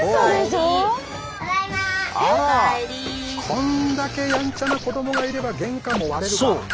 こんだけやんちゃな子供がいれば玄関も割れるか！